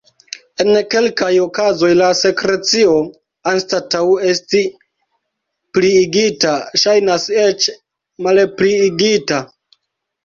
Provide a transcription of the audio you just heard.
En kelkaj okazoj la sekrecio, anstataŭ esti pliigita, ŝajnas eĉ malpliigita.